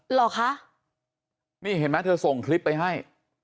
เหรอคะนี่เห็นไหมเธอส่งคลิปไปให้